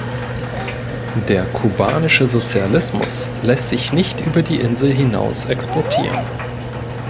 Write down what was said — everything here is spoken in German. Der kubanische "Sozialismus" lässt sich nicht über die Insel hinaus exportieren.